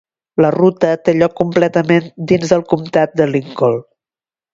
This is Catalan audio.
La ruta té lloc completament dins del comtat de Lincoln.